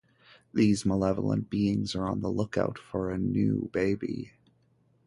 These malevolent beings are on the lookout for a new baby.